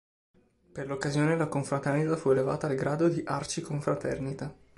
Per l'occasione la confraternita fu elevata al grado di arciconfraternita.